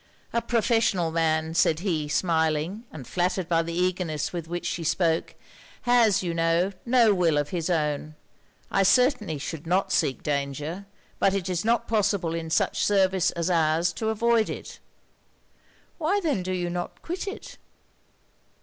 'A professional man,' said he, smiling, and flattered by the eagerness with which she spoke, 'has, you know, no will of his own. I certainly should not seek danger; but it is not possible in such service as ours to avoid it.' 'Why then do you not quit it?'